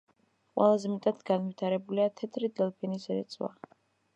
ყველაზე მეტად განვითარებულია თეთრი დელფინის რეწვა.